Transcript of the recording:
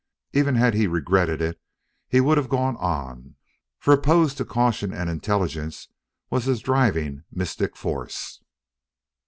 Even had he regretted it he would have gone on, for opposed to caution and intelligence was his driving mystic force.